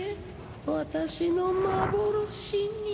私の幻に。